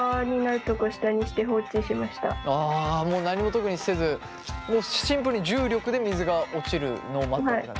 ああもう何も特にせずもうシンプルに重力で水が落ちるのを待った感じ。